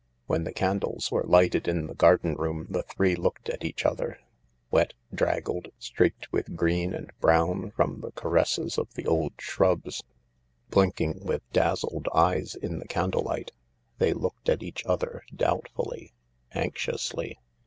When the candles were lighted in the garden room the three looked at eachother— wet, draggled, streaked with green and Ijrown froip the caresses of the old shrubs, blinking witji 136 THE LARK dazzled eyes in the candlelight ; they looked at each other— doubtfully ^anxiously.